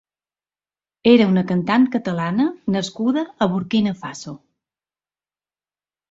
Era una cantant catalana nascuda a Burkina Faso.